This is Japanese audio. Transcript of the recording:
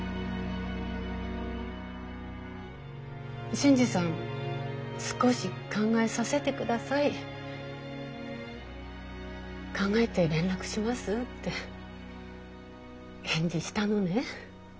新次さん少し考えさせてください考えて連絡しますって返事したのね。